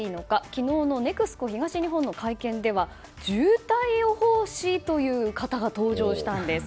昨日のＮＥＸＣＯ東日本の会見では渋滞予報士という方が登場したんです。